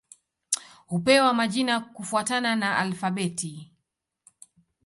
Hupewa majina kufuatana na alfabeti.